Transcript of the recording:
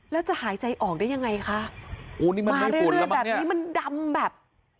แล้วจะหายใจออกได้ยังไงคะโอ้นี่มันมาเรื่อยเรื่อยแบบนี้มันดำแบบ